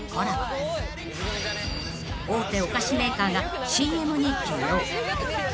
［大手お菓子メーカーがＣＭに起用］